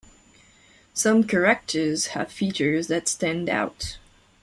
Some characters have features that stand out.